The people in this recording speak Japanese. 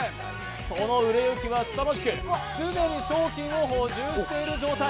その売れ行きはすさまじく、既に商品を補充している状態。